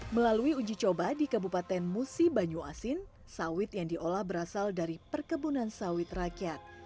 melalui uji coba di kabupaten musi banyu asin sawit yang diolah berasal dari perkebunan sawit rakyat